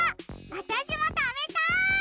あたしもたべたい！